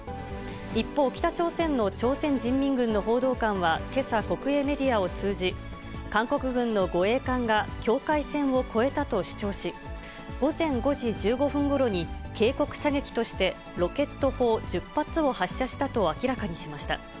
一方、北朝鮮の朝鮮人民軍の報道官はけさ、国営メディアを通じ、韓国軍の護衛艦が、境界線を越えたと主張し、午前５時１５分ごろに警告射撃として、ロケット砲１０発を発射したと明らかにしました。